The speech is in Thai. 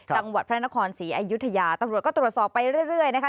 จังหวัดพระนครศรีอยุธยาตำรวจก็ตรวจสอบไปเรื่อยนะคะ